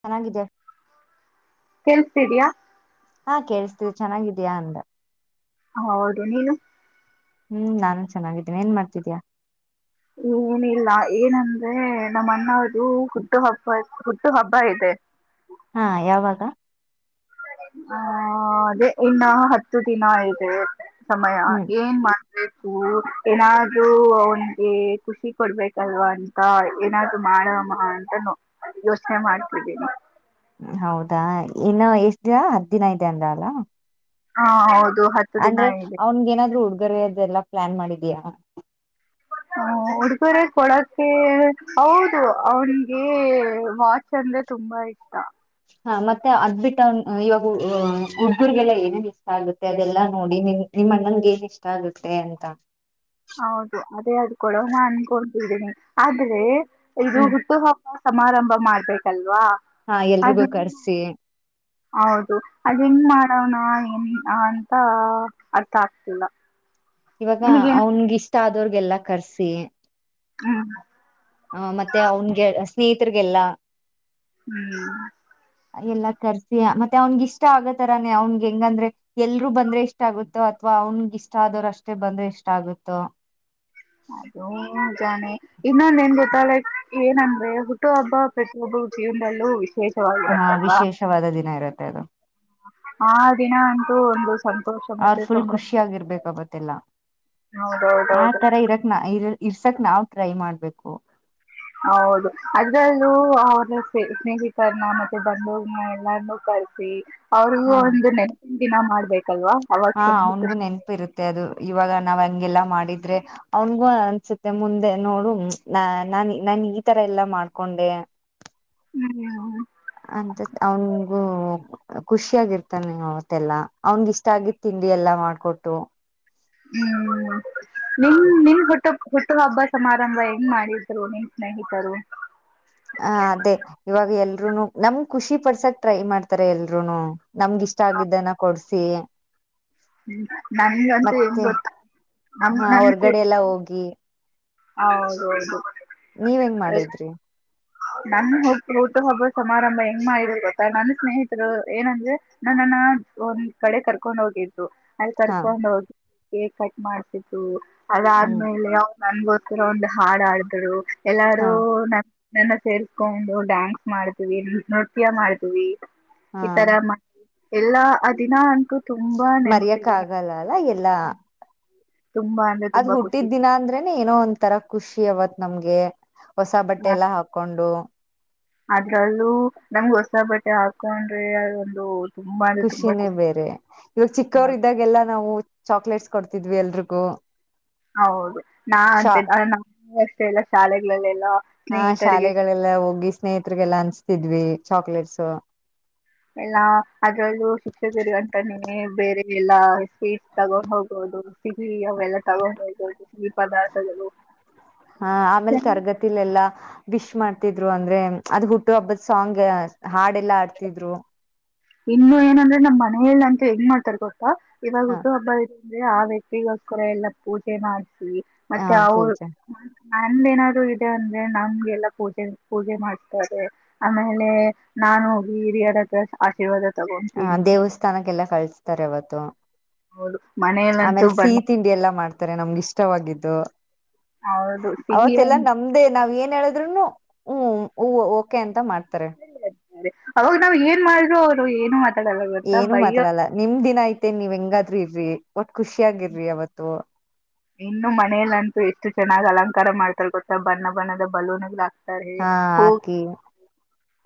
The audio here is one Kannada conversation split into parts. ಚೆನ್ನಾಗಿದೆ. ಕೇಳಿಸ್ತಿದೀಯಾ ಹಾ ಕೇಳಿಸ್ತಿದೆ ಚೆನ್ನಾಗಿದಯ ಅಂದೇ. ಹ ಹೌದು ನೀನು ಹ್ಮ್ ನಾನು ಚೆನ್ನಾಗಿದ್ದೀೇನಿ ಏನ್ ಮಾಡ್ತಿದೀಯ. ಏನಿಲ್ಲ ಏನಂದ್ರೆ ನಮ್ ನಮ್ಮಣ್ಣವರದು ಹುಟ್ಟ ಹಬ್ಬ ಹುಟ್ಟು ಹಬ್ಬ ಇದೆ. ಹಾ ಯಾವಾಗ ಹ ಅದೇ ಇನ್ನ ಹತ್ತು ದಿನ ಇದೆ. ಸಮಯ ಹ್ಮ್ ಏನ್ ಮಾಡ. ಏನಾದೂ ಅವನ್ಗೆ ಖುಷಿ ಕೊಡ್ಬೇಕಲ್ವಾ ಅಂತ ಏನಾದ್ೂ ಮಾಡಮ್ಮ ಅಂತ ಯೋಚನೆ ಮಾಡ್ತಿದ್ದೀನಿ. ಹೌದಾ ಇನ್ನು ಎಷ್ಟ ದಿನ ಹತ್ತ ದಿನ ಐತಿ ಅತ ಅಂದ್ ಅಲಾ. ಹಾ ಹೌದು ಹತ್ತು ದಿನ ಅಂದ್ರೆ ಇದೆ ಅವನ್ಗ ಏನಾದ್ರು ಉಡುಗೊರೆ ಅದು ಎಲ್ಲ ಪ್ಲಾನ್ ಮಾಡಿದೀಯಾ. ಹ ಉಡುಗರ ಕೊಡಕ್ಕೆ ಹೌದು ಅವನ್ಗೆ ವಾಚ್ ಅಂದ್ರೆ ತುಂಬಾ ಇಷ್ಟ. ಹಾ ಮತ್ತೆ ಅದ್ ಬಿಿಟ್ಟನ್ ಇವಾಗ ಹುಡುಗರ್ಗೆಲ್ಲ ಏನೇನ್ ಇಷ್ಟ ಆಗುತ್ತೆ ಅದೆಲ್ಲಾ ನೋಡಿ ನಿಮ ನಿಮ್ಮ ಅಣ್ಣನ್ಗೆ ಏನ್ ಇಷ್ಟ ಆಗುತ್ತೆ ಅಂತ ಹೌದು ಅದೇ ಅದಕಡ ನ ಅನ್ಕೊತಿದ್ದೇನಿ ಆದ್ರೆ ಇದು ಹ್ಮ್ ಹುಟ್ಟು ಹಾ ಸಮಾರಂಭ ಮಾಡ್ಬೇಕಲ್ವಾ. ಹಾ ಅದ ಎಲ್ರಿಗೂ ಕರ್ಸಿ ಹೌದು ಅದು ಹೆಂಗ್ ಮಾಡೋಣ ಎನ್ ಅಂತ ಅರ್ಥ ಆಗ್ತಿಲ್ಲ ಇವಾಗ ನಿಮಗೇನ ಅವನ್ಗ ಇಷ್ಟ ಆದ [unintelligible] ಎಲ್ಲಾ ಕರ್ಸಿ ಹ್ಮ್. ಹ ಮತ್ತೆ ಅವನ್ಗೆ ಸ್ನೇಹಿತರ್ಗೆಲ್ಲ ಹ್ಮ್. ಎಲ್ಲಾ ಕರ್ಸಿ ಮತ್ತೆ ಅವನ್ಗ ಇಷ್ಟ ಆಗೋತರಾನೇ ಅವನ್ಗೆ ಹೆಂಗಂದ್ರೆ ಎಲ್ರುೂ ಬಂದ್ರೆ ಇಷ್ಟ ಆಗುತ್ತೋ ಅಥ್ವಾ ಅವನ್ಗ ಇಷ್ಟ ಆದೋರು ಅಷ್ಟೇ ಬಂದ್ರೆ ಇಷ್ಟ ಆಗುತ್ತೋ ಅದೂ ನಿಜಾನೆ ಇನ್ನೊಂದ ಏನ್ ಗೊತ್ತಾ ಲೈಕ್ ಏನಂದ್ರೆ ಹುಟ್ಟು ಹಬ್ಬ ಪ್ರತಿಯೊಬ್ಬರ ಜೀವನಲ್ಲೂ ವಿಶೇಷ ಹಾ ವಿಶೇಷವಾದ ದಿನ ಇರುತ್ತೆ ಅದು. ಆ ದಿನ ಅಂತು ಒಂದು. ಸಂತೋಷ ಅವ್ರ ಮತ್ತೆ ಫುಲ್ ಸಂಭ್ರಮ ಖುಷಿ ಆಗಿರ್ಬೇಕ್ ಅವತ್ತೆಲ್ಲಾ. ಆ ಹೌದೌದೌದು ತರ ಇರಕ್ ನ ಇರ ಇರ್ಸಕ್ ನಾವ್ ಟ್ರೈ ಮಾಡ್ಬೇಕು. ಹೌದು ಅದ್ರಲ್ಲೂ ಅವರ ಸ್ನೇಹಿತರನ್ನ ಮತ್ತೆ ಬಂದವರನ್ನ ಎಲ್ಲನ್ನೂ ಕರೆಸಿ. ಅವ್ರಿಗೂ ಹಾ ಒಂದು ನೆನಪಿನ ದಿನ ಮಾಡಬೇಕು. ಹಾ ಅವನ್ಗೂ ನೆನಪು ಇರುತ್ತೆ ಅದು ಇವಾಗ ನಾವ್ ಹಂಗೆಲ್ಲ. ಮಾಡಿದ್ರೆ, ಅವನ್ಗೂ ಅನ್ಸುತ್ತೆ ಮುಂದೆ ನೋಡು ನ ನಾನ ನನ್ ಈ ತರ ಎಲ್ಲಾ ಮಾಡ್ಕೊಂಡೆ ಹ್ಮ್. ಅಂತ ಅವನ್ಗೂ ಖುಷಿ ಆಾಗಿರ್ತಾನೆ ಅವತ್ತೆಲ್ಲಾ ಅವನ್ ಇಷ್ಟ ಆಗಿತ್ ತಿಂಡಿ ಎಲ್ಲಾ ಮಾಡ್ಕೊಟ್ಟು ಹ್ಮ್ ನಿನ್ ನಿನ್ ಹುಟ್ಟ ಹುಟ್ಟು ಹಬ್ಬ ಸಮಾರಂಭ ಹೆಂಗ್ ಮಾಡಿದ್ರು ನಿನ್ ಸ್ನೇಹಿತರು. ಹ ಅದೇ ಇವಾಗ ಎಲ್ರುೂನು ನಮ್ ಖುಷಿ ಪಡ್ಸಕ್ ಟ್ರೈ ಮಾಡ್ತಾರೆ ಎಲ್ರುೂನು. ನಮ್ಗ ಇಷ್ಟ ಆಗಿದ್ದನ ಕೊಡ್ಸಿ. ಹ್ಮ್ ನಂಗಂತೂ ಏನ್ ಮತ್ತೆ ಗೊತ್ತಾ ಹಾ ಹೊರ್ಗಡೆ ಎಲ್ಲಾ ಹೋಗಿ ಹೌದೌದು. ನೀವ್ ಹೆಂಗ್ ಮಾಡಿದ್ರಿ. ನನ್ ಹಟು ಹುಟ್ಟು ಹಬ್ಬದ ಸಮಾರಂಭ ಹೆಂಗ ಮಾಡಿದ್ರು ಗೊತ್ತಾ ನನ್ನ ಸ್ನೇಹಿತರು ಏನಂದ್ರೆ ನನ್ನನ್ನ ಒಂದ್ ಕಡೆ ಕರ್ಕೊಂಡ್ ಹೋಗಿ ಅಲ್ಲಿ ಹಾ ಕರ್ಕೊಂಡು ಹೋಗಿ. ಕೇಕ್ ಕಟ್ ಮಾಡ್ಸಿದ್ದು. ಹ್ಮ್ ಅದಾದ್ಮೇಲೆ [unintelligible] ನನಗೋಸ್ಕರ ಒಂದ್ ಹಾಡ್ ಹಾಡಿದ್ರು. ಎಲ್ಲಾರು ಹಾ ನ. ನನ್ನ ಸೇರಿಕೊಂಡ್ರು ಡ್ಯಾನ್ಸ್ ಮಾಡ್ತೀವಿ ನೃತ್ಯ ಮಾಡ್ತೀವಿ. ಹಾ ಈ ತರ ಮಾಡ. ಎಲ್ಲಾ ಅ ದಿನ ಅಂತು. ಮರೆಯಕ್ಕ ಆಗಲ್ಲ ಅಲ್ಲ ಎಲ್ಲಾ. ತುಂಬಾ ಅಂದ್ರೆ ಅದ್ ತುಂಬಾ ಹುಟ್ಟಿದ ಖುಷಿ ದಿನಾ ಅಂದ್ರೇನೆ ಏನೋ ಒಂದ್ರ ಖುಷಿ ಅವತ್ ನಮ್ಗೆ. ಹೊಸ ಬಟ್ಟೆ ಆ, ಎಲ್ಲಾ ಹಾಕೊಂಡು. ಅದ್ರಲ್ಲೂ ನಮ್ ಹೊಸ ಬಟ್ಟೆ ಹಾಕೊಂಡ್ರೆ ಅ ಒಂದು. ಖುಷಿನೇ ಬೇರೆ ಇವಾಗ ಚಿಕ್ಕವರು ಇದ್ದಾಗೆಲ್ಲಾ ನಾವು ಚಾಕ್ಲೇಟ್ ಕೊಡ್ತಿದ್ವಿ ಎಲ್ರಿಗೂ. ಹೌದು ನಾ ಶಾ ಅಂತ [unintelligible] ಮ ಎಲ್ಲ ಶಾಲೆಲ್ಲೆಲ್ಲ ಹಾ ಶಾಲೆಗಳೆಲ್ಲ ಹೋಗಿ ಸ್ನೇಹತ್ರಿಗೆಲ್ಲ ಅನ್ಸ್ತಿದ್ವಿ ಚಾಕ್ಲೇಟ್ ಸೊ. ಎಲ್ಲ ಅದ್ರಲ್ಲೂ ಶಿಕ್ಷಕರು ಅಂತಾನೇ ಬೇರೆ ಎಲ್ಲಾ ಸ್ವೀಟ್ ತಗೊಂಡ್ ಹೋಗೋದು ಸಿಹಿ ಅವೆಲ್ಲ ತಗೊಂಡ್ ಹೋಗೋದು ಸಿಲಹಿ ಪದಾರ್ಥಗಳು ಹಾ ಆಮೇಲೆ ತರಳಳಎಲ್ಲಾ ವಿಶ್ ಮಾಡ್ತಿದ್ರು ಅಂದ್ರೆ ಅದ್ ಹುಟ್ಟು ಹಬ್ಬದ ಸಾಂಗ್ ಹಾಡ್ ಎಲ್ಲಾ ಆಡ್ತಿದ್ರು ಇನ್ನು ಏನಂದ್ರೆ ನಮ್ ಮನಲ್ಲ ಅಂತ ಹೆಂಗ ಮಾಡ್ತಾರೆ ಗೊ ಇವಾಗ ಹ ಹುಟ್ಟು ಹಬ್ಬ ಅಂದೆ ಆ ವ್ಯಕ್ತಿಗೋಸ್ಕರ ಎಲ್ಲಾ ಪೂಜೆ ಮಾಡ್ ಹ ಮತ್ತೆ ಅರ್. ಪೂಜೆ ನಮ ಏನಾದ್ರು ಇದೆ ಅಂದ್ರೆ ನಮ್ಗೆಲ್ಲಾ ಪೂಜೆ ಪೂಜೆ ಮಾಡ್ತಾರೆ ಆಮೇಲೆ ನಾ ಹೋಗಿ ಹಿರಿಯರ ಹತ್ರ ಆಶೀರ್ವಾದ ಹ ತಗೊತೀನಿ ದೇವಸ್ಥಾನಕ್ಕೆಲ್ಲ ಕಳ್ಸ್ತಾರೆ ಅವವತ್ತು ಹೌದು ಮನೆಯಲ್ಲಂತೂ ಆಮೇಲೆ ಬಣ್ಣ ಸಿಹಿ ತಿಂಡಿ ಎಲ್ಲಾ ಮಾಡ್ತಾರೆ ನಮ್ಗೆ ಇಷ್ಟವಾಗಿದ್ದು ಹೌದು ಸಿಹಿ ಅವತ್ತೆಲ್ಲ ನಮ್ದೇ ನಾವ್ ಏನ್ ಹೇಳಿದ್ರುನು ಹ್ಮ್ ಹೂ ಓಕೆ ಅಂತ ಮಾಡ್ ಅವಾಗ್ ನಾವ್ ಏನ್ ಮಾಡರು. ಏನು ಮಾತಾಡಲ್ಲ ಗೊತ್ತಾ ಏನು ಬೈಯೋ ಮಾತಾಡಲ್ಲ ನಿಮ್ ದಿನ ಐತೆೇನ್ ನೀವ್ ಹೆಂಗಾದ್ರರು ಇರ್ರಿ ಖುಷಿಯಾಗಿರ್ ಅವತ್ತು ಇನ್ನು ಮನೇಲ್ಲಂತು ಎಷ್ಟು ಚೆನ್ನಾಗ್ ಅಲಂಕಾರ ಮಾಡ್ತಾರೆ ಗೊತ್ತಾ ಬಣ್ಣ ಬಣ್ಣದ ಬಲೂನ್ಗಳತ ಹಾ ಹಾಕಿ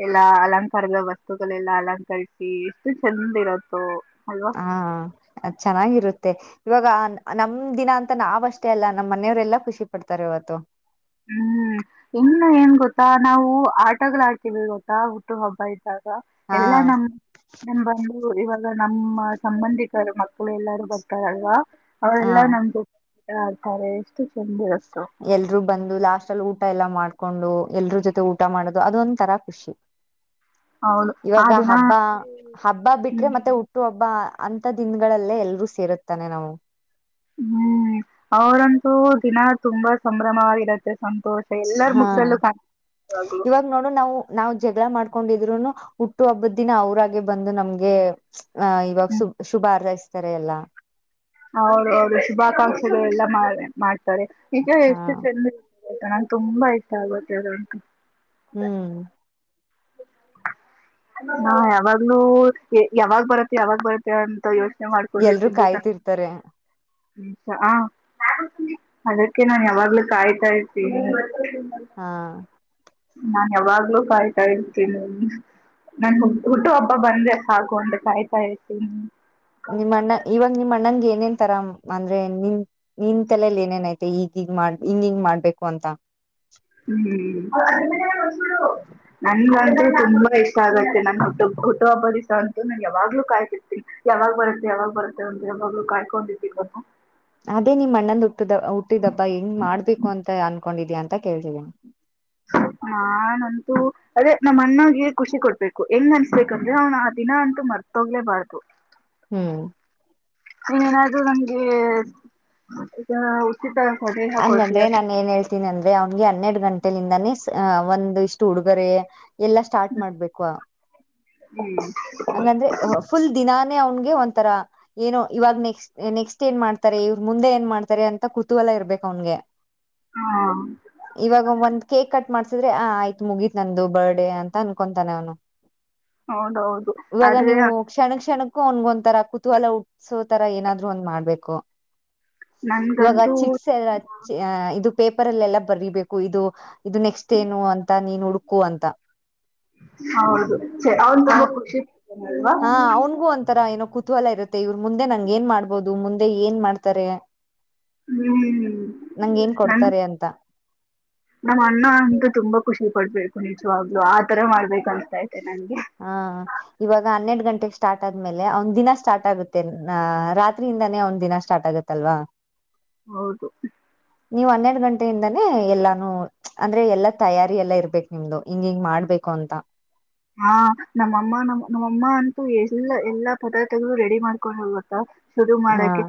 ಎಲ್ಲಾ ಅಲಂಕಾರದ ವಸ್ತುಗಳೆಲ್ಲಾ ಅಲಂಕರಿಸಿ ಎಷ್ಟು ಚಂದ ಇರತ್ತೋ ಅಲ್ವಾ. ಹಾ ಚೆನ್ನಾಗಿರುತ್ತೆ ಇವಾಗ ನಮ್ ದಿನ ಅಂತ ನಾವ್ ಅಷ್ಟೇ ಅಲ್ಲ ನಮ್ಮ್ ಮನೆಯವರೆಲ್ಲಾ ಖುಷಿ ಪಡ್ತಾರೆ ಇವತ್ತು ಹ್ಮ್ ಇನ್ನು ಏನ್ ಗೊತ್ತಾ ನಾವು ಆಟಗಳ ಆಡ್ತೀವಿ ಗೊತ್ತಾ ಹುಟ್ಟು ಹಬ್ಬ ಹಾ ಎಲ್ಲಾ ನಮ್ ನಮ್ ಬಂದು ಇವಾಗ್. ಈಗ ನಮ್ಮ ಸಂಬಂಧಿಕರು ಮಕ್ಕಳು ಎಲ್ಲಾರೂ ಬರ್ತಾರಲ್ವಾ ಹ ಅವರೆಲ್ಲಾ ನಮ್ದು ಆಡ್ತಾರೆ ಎಷ್ಟು ಚೆಂದ ಇರುತ್ತೋ ಎಲ್ರೂ ಬಂದು ಲಾಸ್ಟ್ ಅಲ್ಲಿ ಊಟ ಎಲ್ಲಾ ಮಾಡ್ಕೊಂಡು ಎಲ್ರ ಜೊತೆ ಊಟ ಮಾಡೋದು ಅದೊಂ ತರಾ ಖುಷಿ ಹೌದು ಆ ಇವಾಗ ದಿನ ಹಬ್ಬ ಹಬ್ಬ ಬಿಟ್ರೆ ಹ್ಮ್ ಮತ್ತೆ ಹುಟ್ಟು ಹಬ್ಬ ಅಂತ ದಿನಗಳಲ್ಲೇ ಎಲ್ರೂ ಸೇರುತ್ತಾನೆ ನಾವು ಹ್ಮ್ ಅವರಂತೂ ದಿನ ತುಂಬಾ ಸಂಭ್ರಮವಾಗಿರತ್ತೆ. ದೋಶ [inaudible] ಎಲ್ಲಾರ ಹಾ ಮುಖದಲ್ಲೂ ಕಾಣ್ತಿತ್ತ ಯಾವಾಗ್ಲೂ ಇವಾಗ ನೋಡು ನಾವು ನಾವು ಜಗಳ ಮಾಡ್ಕೊಂಡಿದ್ರುನು ಹುಟ್ಟು ಹಬ್ಬದ ದಿನ ಅವ್ರಾಗೆ ಬಂದು ನಮ್ಗೆ ಹ ಇವಾಗ ಹ್ಮ್ ಶು ಶುಭಾ ಹಾರೈಸತ್ತಾರೆ. ಸರೆಯಲ್ಲ ಹೌದು ಅವರು ಶುಭಾಕಾಂಕ್ಷೆಗಳೆಲ್ಲ ಮಾಡ ಮಾಡ್ ಈಗ ಹಾ ಎಷ್ಟು ಚಂದ ಆಯ್ತಾ ನನಗೆ ತುಂಬಾ ಇಷ್ಟ ಆಗುತ್ತೆ ಅದುಂತು ಹ್ಮ್ ಹಾ ಯಾವಾಗ್ಲೂ ಯಾವಾಗ್ ಬರತ್ತೆ ಯಾವಾಗ್ ಬರತ್ತ ಅಂತ ಯೋ ಎಲ್ರರು ಕಾಯ್ತಿರ್ತಾರೆ ಹ ಹ ಅದಕ್ಕೆ ನಾ ಯಾವಾಗ್ಲೂ ಕಾಯ್ತಾ ಇರ್ತೀನಿ ಹಾ ನಾನ್ ಯಾವಾಗ್ಲೂ ಕಾಯ್ತು ನಾ ಇರ್ತೀನಿ ನನ್ ಹುಟ್ಟು ಹಬ್ಬ ಬಂದ್ರೆ ಸಾಕು ಅಂತ ಕಾಯ್ತಾ ಇರ್ತೀನಿ ನಿಮ್ಮ್ ಅಣ್ಣ ಇವಾಗ ನಿಮ್ಮ್ ಅಣ್ಣಂಗ ಏನ್ ಏನೇನ್ ತರ ಅಂದ್ರೆ ನಿನ್ ನಿ ತಲಲಿ ಏನೇನ್ಐತೆ ಈಗ ಹಿಗ್ ಮಾಡ ಹಿಂಗ ಹಿಂಗ್ ಮಾಡ್ಬೇಕು ಅಂತ ಹ್ಮ್ [inaudible] ನನ್ಗಂತೂ ತುಂಬಾ ಇಷ್ಟ ಇ ಆತ್ತೆ ನನ್ ಹಟ್ಟ ಹುಟ್ಟುಹಬ್ಬದ ದಿಸ ಅಂತ ನು ಯಾಗ್ಲೂ ಕಾಯ್ತಿರ್ತೀನಿ ಯಾಗ ಬರುತ್ತೆ ಯಾವಾಗ್ ಬರುತ್ತೆ ಅಂತ ಯಾವಾಗ್ಲೂ ಕಾಯ್ಕೊಂಡಿದ್ದೀನ ಅಂತ ಅದೇ ನಿಮ್ ಅಣ್ಣದು ಹುಟ್ಟಿದ ಹುಟ್ಟಿದ ಹಬ್ಬ ಹೆಂಗ್ ಮಾಡ್ಬೇಕು ಅಂತ ಅನ್ಕೊಂಡಿದ್ಯಾಾ ಅಂತ ಕೇಳ್ತಿದ್ದೀನಿ ನನ್ಂತೂ ಅದೇ ನಮ್ಮ ಅಣ್ಣಗೆ ಖುಷಿ ಕೊಡ್ಬೇಕು ಹೆಂಗ್ ಅನ್ಸ್ಬೇಕಂದ್ರೆ ಅವ್ನ್ ಆ ದಿನ ಅಂತು ಮರ್ತೋಗ್ಲೇಬಾರ್ದು ಹ್ಮ್ ನೀ ಏನಾದ್ರು ನಮ್ಗೆ ಅಂಗಂದ್ರೆ ನಾನನ್ ಏನ್ ಹೇಳ್ತೀನಿ ಅಂದ್ರೆ ಅವನ್ಗೆ ಹನ್ನೆರಡ್ ಗಂಟೆಲಿಂದಾನೇ ಒಂದು ಇಷ್ಟು ಉುಡುಗೊರೆ ಎಲ್ಲಾ ಸ್ಟಾರ್ಟ್ ಮಾಡ್ಬೇಕು ಹ್ಮ ಹಂಗಂದ್ರೆ ಫುಲ್ ದಿನಾ ಅವನ್ಗೆ ಒಂಥರ ಏನೋ ಇವಾಗ್ ನೆಕ್ಸ್ಟ್ ನೆಕ್ಸ್ಟ್ ಏನ್ ಮಾಡ್ತಾರೆ ಇವ್ರ ಮುಂದೆ ಏನ್ ಮಾಡ್ತಾರೆ ಅಂತ ಕುತೂಹಲ ಇರ್ಬೇಕು ಅವನಿಗೆ ಹಾ ಇವಾಗ ಒಂದ್ ಕೇಕ್ ಕಟ್ ಮಾಡ್ಸಿದ್ರೆ ಆ ಆಯ್ತ್ ಮುಗೀತ್ ನಂದು ಬರ್ಡೇ ಅಂತ ಅನ್ಕೊತಾನೆ ಅವನು ಹೌದ ಹೌದ ಇವಾಗ ನೀವು ಕ್ಷಣ ಕ್ಷಣ ಅವನಿಗೊಂತರ ಕುತೂಹಲ ಉಟ್ಸೋ ತರ ಏನಾದ್ರು ಒಂದ್ ಮಾಡ್ಬೇಕು ಇವಾಗ ನನ್ಗಂತೂ ಚಿಟ್ಸ್ ಎಲ್ಲ ಇದು ಪೇಪರ್ಲ್ಲೆಲ್ಲ ಬರೀಬೇಕು ಇದು ಇದು ನೆಕ್ಸ್ಟ್ ಏನು ಅಂತ ನೀನ್ ಹುಡುಕು ಅಂತ ಹೌದು ಸರಿ ಅವನ್ ಆ ತುಂಬಾ ಖುಷಿ ಅಲ್ವಾ ಹಾ ಅವನ್ಗೂ ಒಂಥರ ಏನೋ ಕುತೂಹಲ ಇರುತ್ತೆ ಮತ್ತೆ ಇವ್ರ ಮುಂದೆ ನಂಗ ಏನ್ ಮಾಡ್ಬೋದು ಮುಂದೆ ಏನ್ ಮಾಡ್ತಾರೆ ನಂಗ ಏನ್ ಕೊಡ್ತಾರೆ ಅಂತ ಹ್ಮ್್ಮ ನಮ್ಮ ಅಣ್ಣ ಅಂತ ತುಂಬಾ ಖುಷಿ ಪಡ್ಬೇಕು ನಿಜವಾಗ್ಲುೂ ಆತರ ಮಾಡ್ಬೇಕ ಅಂತತ ಹಾ ಇವಾಗ ಹನ್ನೆಡು ಗಂಟೆ ಸ್ಟಾರ್ಟ್ ಆದ್ಮೇಲೆ ಅವನ್್ ದಿನ ಸ್ಟಾರ್ಟ್ ಆಗುತ್ತೆ ರಾತ್ರಿಯಿಂದಾನೇ ಅವ್ ದಿನ ಸ್ಟಾರ್ಟ್ ಆಗುತ್ತಲ್ವಾ ಹೌದು ಿಂದಾನೇ ಎಲ್ಲಾನು ಅಂದ್ರೆ ಎಲ್ಲಾ ತಯಾರಿ ಎಲ್ಲಾ ಇರ್ಬೇಕು ನಿಮ್ದು ಹಿಂಗ ಹಿಂಗ್ ಮಾಡ್ಬೇಕು ಅಂತ ಹಾ ನಮ್ಮಮ್ಮ ನಮ್ಮ ನಮ್ಮಮ್ಮ ಅಂತೂ ಎಲ್ಲಾ ಎಲ್ಲಾ ಪದಾರ್ಥಗಳು ರೆಡಿ ಮಾಡ್ಕೊಂಡು ಹೋಗೋಗತ್ತಾ ಶುರು ಹ ಮಾಡಕ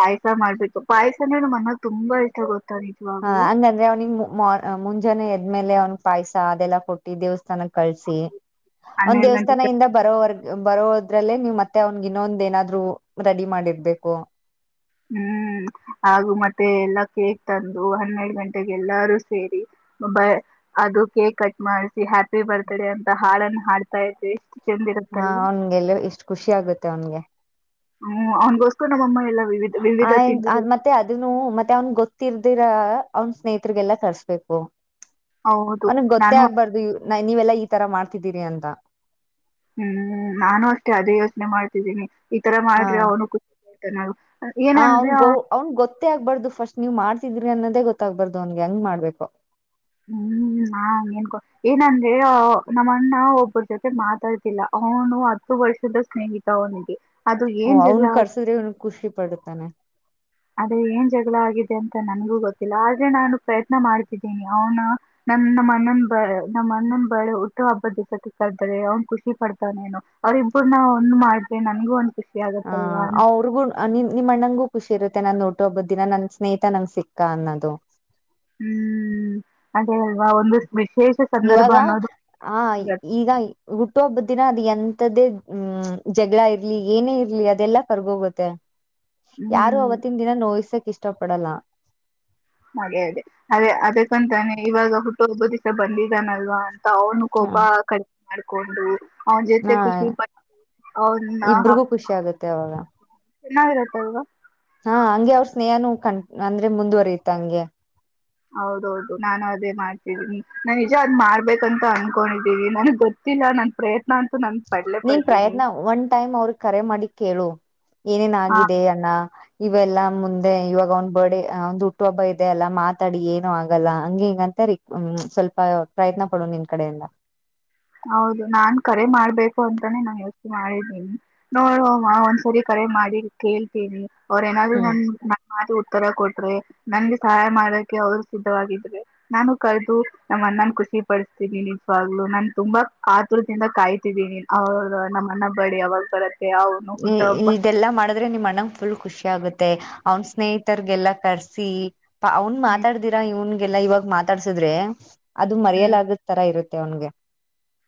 ಪಾಯಸ ಮಾಡ್ಬೇಕು ಪಾಯಸನ ಮನಗ್ ತುಂಬಾ ಇಷ್ಟ ಗೊತ್ತ ಹಾ ಹಂಗಂದ್ರೆ ಅವ್ನಿಿಗೆ ಮುಂಜಾನೆ ಎದ್ದ ಇದ್ಮೇಲೆ ಅವ್ನ್ ಪಾಯಸ ಅದೆಲ್ಲ ಕೊಟ್ಟ ದೇವ ಕಳಸಿ ಒಂದ್ ಹನ್ನೆರಡು ದೇವಸ್ಥಾನ ಗಂಟೆ ಇಿಂದ ಬರೋವರ್ಗ್ ಬರೋ ಅದ್ರಲ್ಲೇ ನೀವು್ ಮತ್ತೆ ಅವನ್ಗ ಇನ್ನೊಂದ ಏನಾದ್ರು ರೆಡಿ ಮಾಡಿರ್ಬೇಕು ಹ್ಮ್ ಹಾಗು ಮತ್ತೆ ಎಲ್ಲಾ ಕೇಕ್ ತಂದು ಹನ್ನೆರಡು ಗಂಟೆಗೆ ಎಲ್ಲಾರೂ ಸೇರಿ ಬ ಅದು ಕೇಕ್ ಕಟ್ ಮಾಡಸಿ ಹ್ಯಾಪಿ ಬರ್ತ್ಡೇ ಅಂತ ಹಾಡನ್ನ ಹಾಡ್ತಾ ಇದವಿಷ್ಟ ಹಾ ಅವನ್ಗೆಲ್ಲ ಇಷ್ಟ್ ಖುಷಿ ಆಗುತ್ತೆ ಅವನ್ಗೆ ಹ್ಮ್ ಅವ್ಗೋಸ್ಕು ನಮ್ಮಮ್ಮ ಎಲ್ಲ ವಿವಿಧ ವಿವಿಧ ಆಯ್ ತಿಂಡಿಗಳು ಮತ್ತೆ ಅದನ್ನು ಮತ್ತೆ ಅವನ್ ಗೊತ್ತಿರ್ದಿರ ಅವನ್ ಸ್ನೇಹಿತಗೆಲ್ಲ ಕರ್ಸ್ಬೇಕು ಹೌದು ಅವನನ್ ಗೊತ್ತೇ ನಾನು ಆಗ್ಬಾರ್ದು ನೀವೆಲ್ಲಾ ಈ ತರ ಮಾಡ್ ಮಾಡತಿದ್ದೀರಿ ಅಂತ ಹ್ಮ್ ನಾನು ಅಷ್ಟೇ ಅದೇ ಯೋಚನೆ ಮಾಡ್ತಿದ್ದೀನಿ ಈ ತರ ಮಾಡ್ರಿ ಅವ್ನು ನ ಹಾ ಅವ್ನ್ ಗ ಅವ್ನ್ ಗೊತ್ತ ಆಗ್ಬಾರ್ದು ಫಸ್ಟ್ ನೀ್ ಮಾಡ್ತಿದ್ರಿ ಅನ್ನೋದೇ ಗೊತ್ತಾಗಬಾರ್ದು ಅವನ್ಗೆ ಹಂಗ್ ಮಾಡ್ಬೇಕು ಹ್ಮ್ ನ ನ್ಕೊ ಏನಂದ್ರೆ ನಮ್ಮಣ್ಣ ಒಬ್ಬರ ಜೊತೆ ಮಾತಾಡ್ತಿಲ್ಲ ಅವನು ಹತ್ತು ವರ್ಷದ ಸ್ನೇಹಿತ ಅವನಿಗೆ ಅದು ಓ ಏನ್ ಜಗಳ ಅವ್ನ್ ಕರ್ಸುದ್ರೆ ಅವನ್ ಖುಷಿ ಪಡ್ತಾನೆ ಅದೇ ಏನ್ ಜಗಳ ಆಗಿದೆ ಅಂತ ನನ್ಗೂ ಗೊತ್ತಿಲ್ಲ ಆದ್ರೆ ನಾನು ಪ್ರಯತ್ನ ಮಾಡ್ತಿದ್ದೀನಿ ಅವನ ನನ್ನ ನಮ್ಮ ಅಣ್ಣನ್ ಬ ನಮ್ಮ ಅಣ್ಣನ್ ಬಳೆ ಹುಟ್ಟು ಹಬ್ಬದ ದಿವಸಕ್ಕೆ ಕರೆದಾರೆ ಅವ್ನ್ ಖುಷಿ ಪಡ್ತವೇನು ಅವ್ರ ಇಬ್ಬರನ್ನ ಒಂದ್ ಮಾಡಿದ್ರೆ ನನ್ಗೂ ಒಂದ ಹ ಅವ್ರಿಗು ನಿ ನಿಮ್ಮಣ್ಣಂಗು ಖುಷಿ ಇರುತ್ತೆ ನಾನನ್ ನೋಟ ಒಬ್ಬದ ದಿನ ನನ್ ಸ್ನೇಹಿತಾ ನಂಗ್ ಸಿಕ್ಕಾ ಅನ್ನೋದು ಹ್ಮ್ ಅೆಲ್ವಾ ಒಂದ ಇವಾಗ ಆ ಇರತ್ತೆ. ಈಗ ಹುಟ್ಟುಹಬ್ಬದ ದಿನ ಅದ್ ಎಂತ ತದಿದ್ ಹ್ಮ್ ಯಾರು ಹ್ಮ್ ಅವತ್ತಿನ ದಿನ ನೋಯ್ಸಕ್ ಇಷ್ ಷ್ಟಪಡಲಾ. ಹಾಗೆ ಹಾಗೆ ಅದೇ ಅದಕ್ಕಂತಾನೆ ಇವಾಗ ಹುಟ್ಟುಹಬ್ಬದ್ ದಿಸ ಬಂದಿದ್ದಾನಲ್ವಾ ತ ಅವನು ಕೋಪ ಹಾ ಕ ಮಾಡ್ಕೊಂಡು ಅವ್ನ್ ಜೊತೆ ಖುಷಿ ಪಟ್ ಅವ್ನ ಇಬ್ರಿಗೂ ಖುಷಿ ಆಗುತ್ತೆ ಅವಾಗ ಚೆನ್ನಾಗಿರುತ್ತೆ ಈಗ. ಹಾ ಹಂಗೆ ಅವ್ರ ಸ್ನೇಹಾನು ಕಂ ಅಂದ್ರೆ ಮುಂದುವರಿಯತ ಹಂಗೆ. ಹೌದು ಹೌದು ನಾನು ಅದೇ ಮಾಡ್ತಿದೀನಿ ನಾನ್ ನಿಜ ಅದ್ ಮಾಡ್ಬೇಕಂತ ಅನ್ಕೊಂಡಿದ್ದೀವಿ ನನ್ಗ್ ಗೊತ್ತಿಲ್ಲ ನನ್ ಪ್ರಯತ್ ನೀನ್ ಪ್ರಯತ್ನ ಒನ್ ಟೈಮ್ ಅವ್ರ್ಗ್ ಕರೆ ಮಾಡಿ ಕೇಳು. ಏನೇನ ಆ ಆಗಾಗಿದೆ ಅಣ್ಣ ಇವೆಲ್ಲಾ ಮುಂದೆ ಇವಾಗ ಅವ್ನ್ ಬರ್ಡೆ ಅವನ್ದು ಹುಟ್ಟುಹಬ್ಬ ಇದೆ ಅಲ್ಲ ಮಾತಾಡಿ ಏನು ಆಗಲ್ಲ, ಅಂಗೆ ಹಿಂಗಂತ ರಿಕ್ ಸ್ವಲ್ಪ ಪ್ರಯತ್ನ ಪಡುವ ನಿನ್ ಕಡೆಯಿಂದ. ಹೌದು ನಾನ್ ಕರೆ ಮಾಡ್ಬೇಕು ಅಂತಾನೇ ನಾನ್ ಯೋಚ್ನೆ ಮಾಡಿದ್ದೀನಿ ನೋಡ ಒಂದ್ಸರಿ ಕರೆ ಮಾಡಿ ಕೇಳ್ತೀನಿ. ಅವ್ರ್ ಏನಾದ್ ನ ಹ್ಮ್ ನ ಮಾತು ತರ ಕೊಟ್ರೆ ನನ್ಗೆ ಸಹಾಯ ಮಾಡಕೆ ಅವರು ಸಿದ್ಧವಾಗಿದ್ರೆ ನಾನು ಕಳದು ನಮ್ಮ ಅಣ್ಣನ್ ಖುಷಿ ಪಡಿಸತೀನಿ ನಿಜವಾಗ್ಲು ನನ್ ತುಂಬಾ ಕಾತುರ್ದಿಂದ ಕಾಯ್ತಿದೀನಿ ಅವ್ರ ನಮ್ಮಣ್ಣ ಬರ್ಡೇ ಯಾವಾಗ ಬರತ್ ಇ ಇ ಇದೆಲ್ಲಾ ಮಾಡಿದ್ರೆ ನಿಮ್ಮ್ ಅಣ್ಣಂಗ ಫುಲ್ ಖುಷಿ ಆಗುತ್ ಮತ್ತೆ ಅವ್ನ ಸ್ನೇಹಿತರ್ಗೆಲ್ಲ ಕರ್ಸಿ ಅವ್ನ್ ಹ್ಮ್ ಮಾತಾಡ್ದೀರಾ ಇವ್ನ್ ಎಲ್ಲಾ ಇವಾಗ ಮಾತಾಡ್ಸುದ್ರೆ ಅದು ಹ್ಮ್ ಮರೆಯಲಾಗ್ದ್ ತರ ಇರುತ್ ತೆ ಅವ್ನ್ಗೆ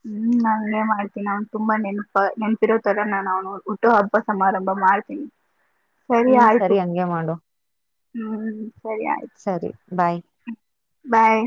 ಹ್ಮ್ ನಾನ್ ಹಂಗೆ ಮಾಡ್ತೀನಿ, ಅವ್ನ್ ತುಂಬಾ ನೆನಪ ನೆನಪಿರೋ ತರ ನಾನ್ ಅವ್ನು ಹುಟ್ಟು ಹಬ್ಬ ಸಮಾರಂಭ ಮಾಡ್ತೀನಿ. ಸರಿ ಹ್ಮ್ ಆಯ್ತು ಹಂಗೆ ಮಾಡು ಹ್ಮ್ ಸರಿ ಆಯ್ತು ಸರಿ ಬಾಯ್ ಬಾಯ್.